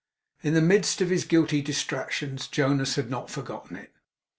In the midst of his guilty distractions, Jonas had not forgotten it.